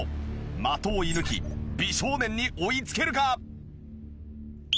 的を射抜き美少年に追いつけるか！？